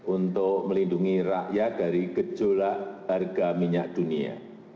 untuk melindungi rakyat dari gejolak harga minyak dunia